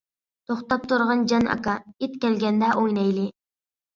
توختاپ تۇرغىن جان ئاكا، ئىت كەلگەندە ئوينايلى.